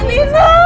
nino jangan pergi